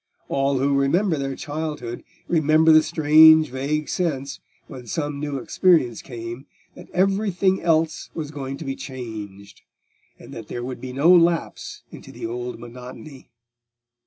All who remember their childhood remember the strange vague sense, when some new experience came, that everything else was going to be changed, and that there would be no lapse into the old monotony.